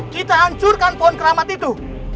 kita hancurkan pohon keramat itu